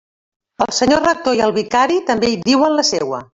El senyor rector i el vicari també hi diuen la seua.